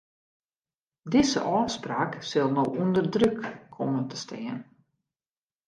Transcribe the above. Dizze ôfspraak sil no ûnder druk komme te stean.